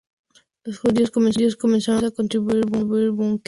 Los judíos comenzaron, pues, a construir búnkeres e introdujeron armas al gueto.